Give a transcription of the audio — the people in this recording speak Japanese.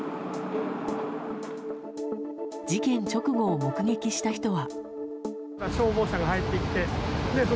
事件直後を目撃した人は。